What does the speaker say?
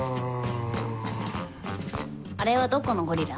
あれはどこのゴリラ？